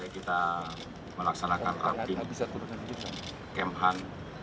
kita melaksanakan rafting kemhan